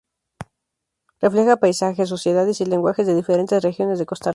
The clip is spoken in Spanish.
Refleja paisajes, sociedades, y lenguajes de diferentes regiones de Costa Rica.